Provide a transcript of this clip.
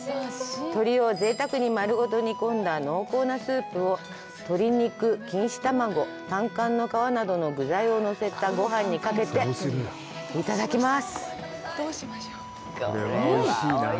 鶏をぜいたくに丸ごと煮込んだ濃厚なスープを鶏肉、錦糸卵、タンカンの皮などの具材をのせたごはんにかけていただきます。